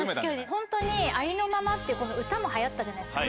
ホントに「ありのまま」ってこの歌も流行ったじゃないですか。